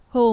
hồ mỹ bình